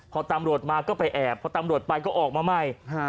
พอตำรวจมาก็ไปแอบพอตำรวจไปก็ออกมาใหม่